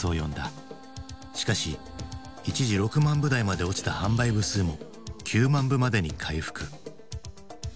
しかし一時６万部台まで落ちた販売部数も９万部までに回復。